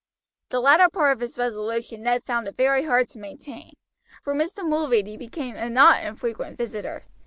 The latter part of his resolution Ned found it very hard to maintain, for Mr. Mulready became a not unfrequent visitor.